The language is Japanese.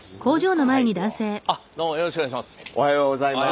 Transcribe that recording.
あっどうもよろしくお願いします。